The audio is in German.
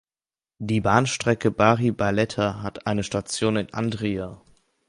Die Bahnstrecke Bari–Barletta hat eine Station in Andria.